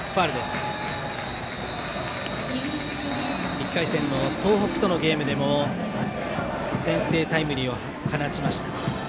１回戦の東北とのゲームでも先制タイムリーを放ちました。